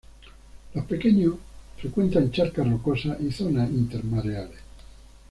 Los pequeños frecuentan charcas rocosas y zonas intermareales.